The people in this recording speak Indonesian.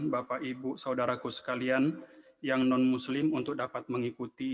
bapak ibu saudaraku sekalian yang non muslim untuk dapat mengikuti